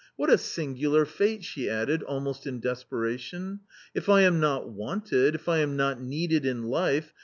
What a singular fate !" she added, almost in desperation. If I am not wanted, if I am not needed in life